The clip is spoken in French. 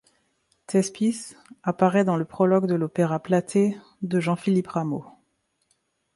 Thespis apparaît dans le prologue de l'opéra Platée de Jean-Philippe Rameau.